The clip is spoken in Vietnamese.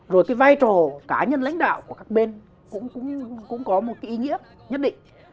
rồi cái vai trò cá nhân lãnh đạo của các bên cũng có một cái ý nghĩa nhất định